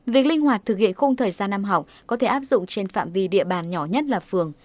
việc linh hoạt thực hiện khung thời gian năm học có thể áp dụng trên phạm vi địa bàn nhỏ nhất là phường